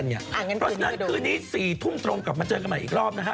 เพราะฉะนั้นคืนนี้๔ทุ่มตรงกลับมาเจอกันใหม่อีกรอบนะฮะ